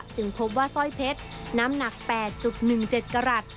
พบว่าสร้อยเพชรน้ำหนัก๘๑๗กรัฐ